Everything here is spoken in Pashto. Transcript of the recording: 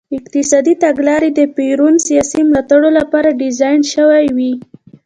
اقتصادي تګلارې د پېرون سیاسي ملاتړو لپاره ډیزاین شوې وې.